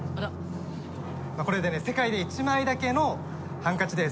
これでね世界で一枚だけのハンカチです。